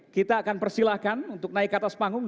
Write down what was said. kita akan persilahkan untuk naik ke atas panggung